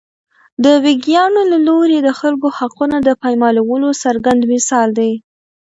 د ویګیانو له لوري د خلکو د حقونو د پایمالولو څرګند مثال دی.